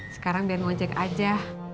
sekarang dia mau ojek aja